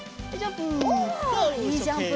はいジャンプ。